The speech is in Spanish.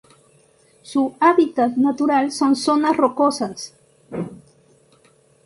Su hábitat natural son zonas rocosas.